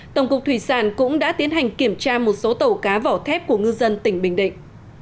tổng cục thủy sản cũng đã tiến hành kiểm tra một số tàu cá vỏ thép của ngư dân tỉnh bình định